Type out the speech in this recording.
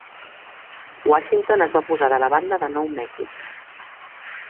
Washington es va posar de la banda de Nou Mèxic.